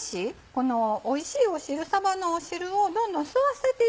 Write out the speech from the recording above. このおいしい汁さばの汁をどんどん吸わせていく。